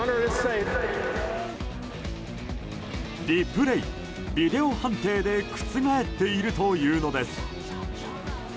リプレー、ビデオ判定で覆っているというのです。